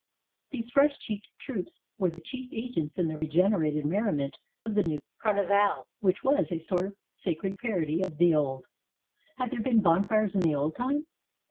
These fresh cheeked troops were the chief agents in the regenerated merriment of the new Carnival, which was a sort of sacred parody of the old. Had there been bonfires in the old time?